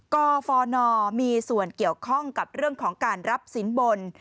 กฟนมีส่วนเกี่ยวข้องกับเรื่องของการรับสินบน